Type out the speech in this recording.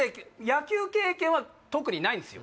野球経験は特にないんですよ